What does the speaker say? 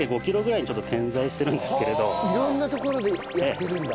色んな所でやってるんだ。